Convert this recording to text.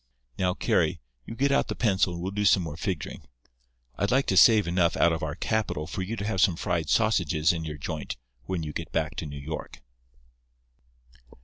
Now, Carry, you get out the pencil, and we'll do some more figuring. I'd like to save enough out of our capital for you to have some fried sausages in your joint when you get back to New York."